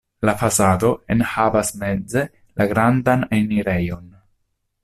La fasado enhavas meze la grandan enirejon.